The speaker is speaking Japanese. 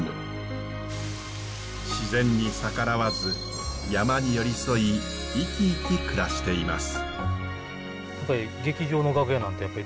自然に逆らわず山に寄り添い生き生き暮らしています。